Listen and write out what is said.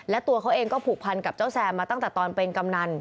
และตัวเขาเองก็ผูกพันกับเจ้าแซมมาตั้งแต่ตอนเป็นกำนัน